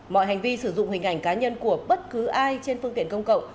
mọi hành vi sử dụng hình ảnh cá nhân của bất cứ ai trên phương tiện công cộng